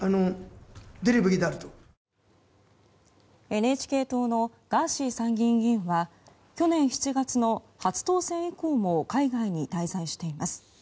ＮＨＫ党のガーシー参議院議員は去年７月の初当選以降も海外に滞在しています。